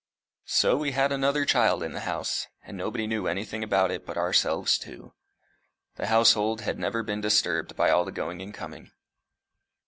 So we had another child in the house, and nobody knew anything about it but ourselves two. The household had never been disturbed by all the going and coming.